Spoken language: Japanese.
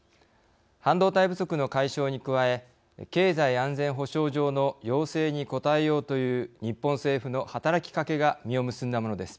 半導体不足の解消に加え経済安全保障上の要請に応えようという日本政府の働きかけが実を結んだものです。